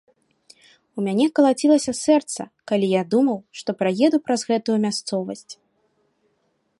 У мяне калацілася сэрца, калі я думаў, што праеду праз гэтую мясцовасць.